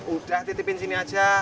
udah titipin sini aja